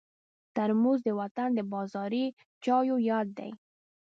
ترموز د وطن د بازاري چایو یاد دی.